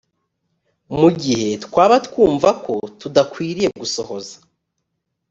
mu gihe twaba twumva ko tudakwiriye gusohoza